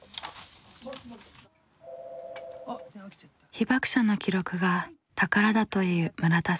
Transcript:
被爆者の記録が宝だという村田さん。